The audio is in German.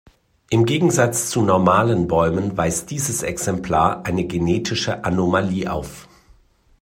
Im Gegensatz zu normalen Bäumen weist dieses Exemplar eine genetische Anomalie auf.